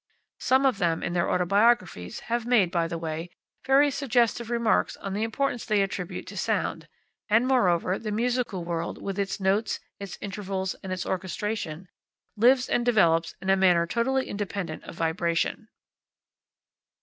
Some of them, in their autobiographies, have made, by the way, very suggestive remarks on the importance they attribute to sound: and, moreover, the musical world, with its notes, its intervals, and its orchestration, lives and develops in a manner totally independent of vibration.